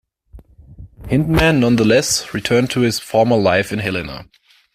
Hindman, nonetheless, returned to his former life in Helena.